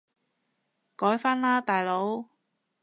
改返喇大佬